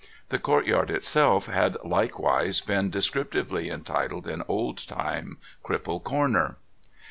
The court yard itself had likewise been descriptively entitled in old time. Cripple Corner.